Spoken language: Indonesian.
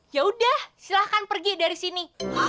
yaudah silahkan pergi dari sini